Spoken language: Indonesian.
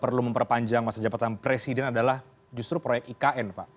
perlu memperpanjang masa jabatan presiden adalah justru proyek ikn pak